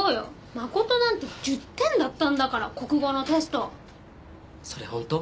誠なんて１０点だったんだから国語のテストそれほんと？